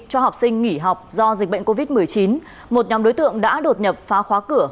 cho học sinh nghỉ học do dịch bệnh covid một mươi chín một nhóm đối tượng đã đột nhập phá khóa cửa